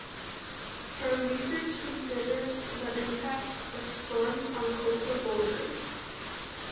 Her research considers the impact of storms on coastal boulders.